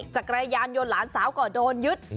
จักรยานยนต์หลานสาวก็โดนยึด